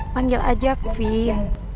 panggil aja vin